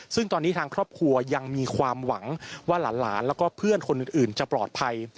ซึ่งตอนนี้ทางครอบครัวยังมีความหวังว่าหลานแล้วก็เพื่อนคนอื่นจะปลอดภัย